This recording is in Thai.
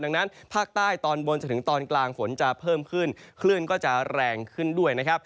ดังนั้นภาคใต้ตอนบนจนถึงตอนกลางฝนจะเพิ่มขึ้นคลื่นก็จะแรงขึ้นด้วยนะครับ